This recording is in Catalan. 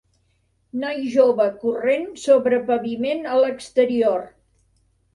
Noi jove corrent sobre paviment a l'exterior.